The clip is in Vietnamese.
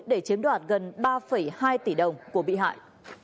để chiếm đoạt gần ba hai tỷ đồng của bị hại